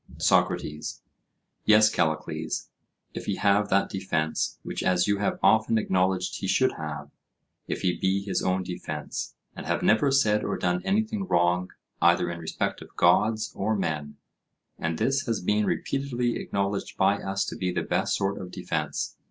SOCRATES: Yes, Callicles, if he have that defence, which as you have often acknowledged he should have—if he be his own defence, and have never said or done anything wrong, either in respect of gods or men; and this has been repeatedly acknowledged by us to be the best sort of defence.